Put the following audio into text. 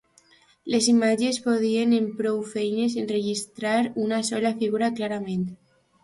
Les imatges podien en prou feines enregistrar una sola figura clarament.